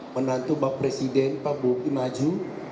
menantu pak presiden pak bupati maju